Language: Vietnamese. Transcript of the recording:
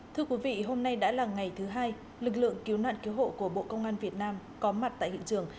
thưa quý vị hôm nay đã là ngày thứ hai lực lượng cứu nạn cứu hộ của bộ công an việt nam có mặt tại hiện trường